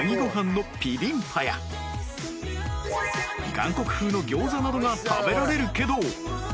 韓国風の餃子などが食べられるけど